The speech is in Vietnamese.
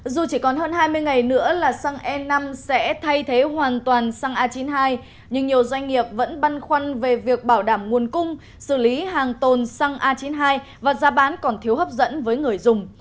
dù chỉ còn hơn hai mươi ngày nữa là xăng e năm sẽ thay thế hoàn toàn xăng a chín mươi hai nhưng nhiều doanh nghiệp vẫn băn khoăn về việc bảo đảm nguồn cung xử lý hàng tồn xăng a chín mươi hai và giá bán còn thiếu hấp dẫn với người dùng